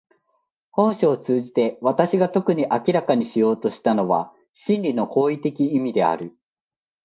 本書を通じて私が特に明らかにしようとしたのは真理の行為的意味である。